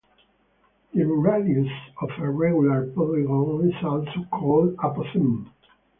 The inradius of a regular polygon is also called apothem.